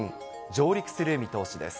上陸する見通しです。